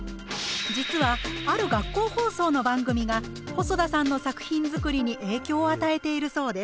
実はある学校放送の番組が細田さんの作品づくりに影響を与えているそうです。